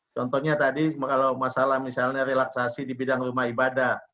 contohnya tadi kalau masalah misalnya relaksasi di bidang rumah ibadah